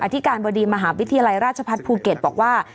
ธิการบดีมหาวิทยาลัยราชพัฒน์ภูเก็ตบอกว่า